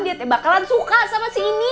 dia teh bakalan suka sama si ini